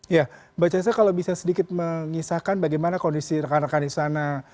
ya mbak caca kalau bisa sedikit mengisahkan bagaimana kondisi rekan rekan di sana